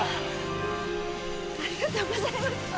ありがとうございます！